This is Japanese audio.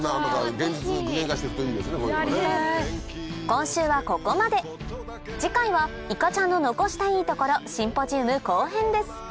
今週はここまで次回はいかちゃんの残したいトコロシンポジウム後編です